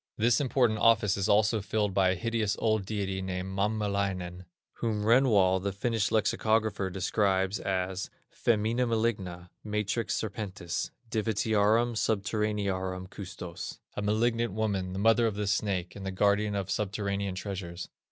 This important office is also filled by a hideous old deity named Mammelainen, whom Renwall, the Finnish lexicographer, describes as "femina maligna, matrix serpentis, divitiarum subterranearum custos," a malignant woman, the mother of the snake, and the guardian of subterranean treasures.